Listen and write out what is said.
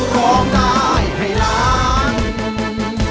ร้องได้ให้ล้าง